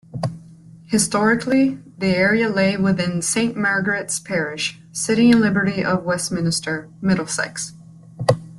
Historically the area lay within Saint Margaret's parish, City and Liberty of Westminster, Middlesex.